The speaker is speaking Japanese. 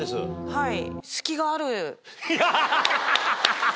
はい。